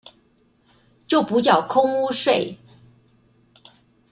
就補繳空屋稅